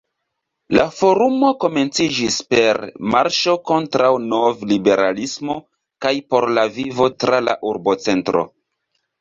La forumo komenciĝis per “marŝo kontraŭ novliberalismo kaj por la vivo tra la urbocentro.